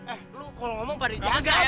eh kalau lo ngomong padahal dijaga ya